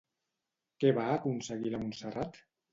Què va aconseguir la Montserrat?